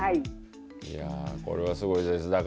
これはすごいです。